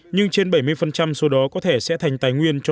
nhưng trên bảy mươi số đó có thể sẽ thành tài nguyên